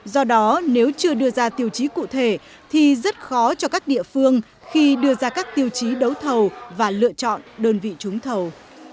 do đó nếu chưa đưa ra tiêu chí cụ thể thì rất khó cho các địa phương khi đưa ra các tiêu chí đấu thầu và lựa chọn đơn vị trúng thầu